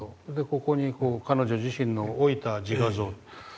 ここに彼女自身の老いた自画像。